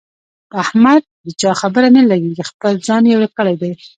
په احمد د چا خبره نه لګېږي، خپل ځان یې ورک کړی دی.